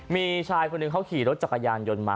มีชายคนหนึ่งเขาขี่รถจักรยานยนต์มา